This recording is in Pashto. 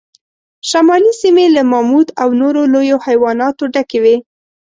شمالي سیمې له ماموت او نورو لویو حیواناتو ډکې وې.